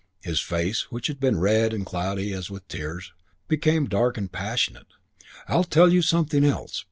His face, which had been red and cloudy as with tears, became dark and passionate. "I'll tell you something else.